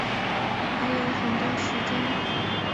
还有很多时间